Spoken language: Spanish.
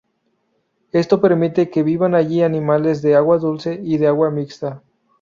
Esto permite que vivan allí animales de agua dulce y de agua mixta.